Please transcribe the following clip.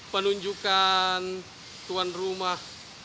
penunjukan tuan rumah